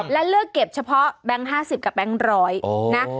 และเลือกเก็บเฉพาะแบงค์๕๐กับแบงค์๑๐๐นะ